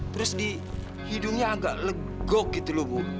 terus di hidungnya agak legok gitu loh bu